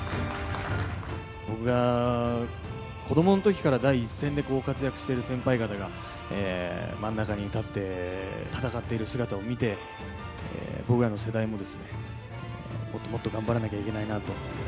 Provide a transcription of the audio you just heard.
僕が子どものときから第一線で活躍している先輩方が真ん中に立って、戦っている姿を見て、僕らの世代もですね、もっともっと頑張らなきゃいけないなと。